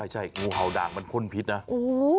ใช่งูเห่าด่างมันพ่นพิษนะโอ้โห